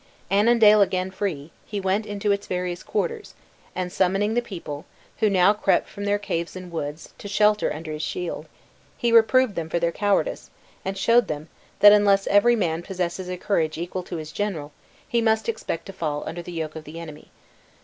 Annandale again free, he went into its various quarters, and summoning the people (who now crept from their caves and woods, to shelter under his shield), he reproved them for their cowardice; and showed them, that unless every man possesses a courage equal to his general, he must expect to fall under the yoke of the enemy.